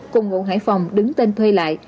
cùng ngụ hải phòng đứng tên thuê lại